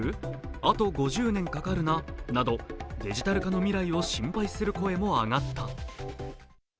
あと５０年かかるな、などデジタル化の未来を心配する声も上がった。